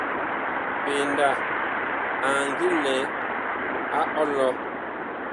PENDA a ngi lɛ a ɔlɔ.